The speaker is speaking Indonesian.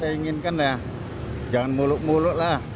saya inginkan ya jangan muluk muluk lah